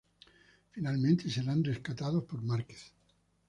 Finalmente serán rescatados por Marquez.